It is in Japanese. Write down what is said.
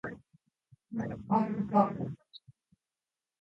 何も起きなかった。それは止まっていた。生きていないようだった。